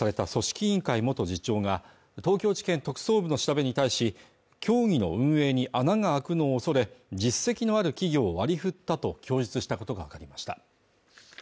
委員会元次長が東京地検特捜部の調べに対し競技の運営に穴が空くのを恐れ実績のある企業を割り振ったと供述したことが分かりました